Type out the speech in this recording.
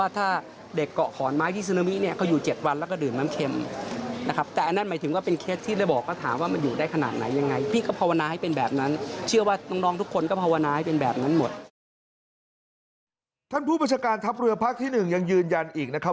ผู้บัญชาการทัพเรือภาคที่๑ยังยืนยันอีกนะครับ